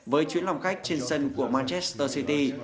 với chuyển lòng khách trên sân của manchester city